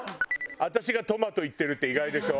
私がトマトいってるって意外でしょ？